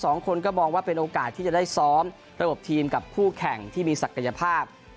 สองคนก็มองว่าเป็นโอกาสที่จะได้ซ้อมระบบทีมกับคู่แข่งที่มีศักยภาพ